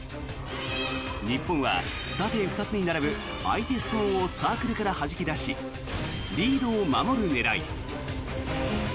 日本は縦２つに並ぶ相手ストーンをサークルからはじき出しリードを守る狙い。